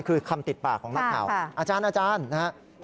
คือคำติดปากของนักข่าวอาจารย์นะครับ